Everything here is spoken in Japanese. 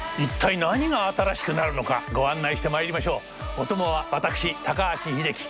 お供は私高橋英樹。